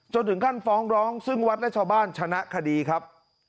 ถึงขั้นฟ้องร้องซึ่งวัดและชาวบ้านชนะคดีครับ